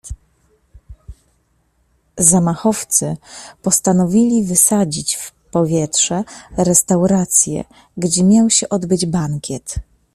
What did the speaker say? Zamachowcy postanowili wysadzić w powietrze restaurację, gdzie miał się odbyć bankiet.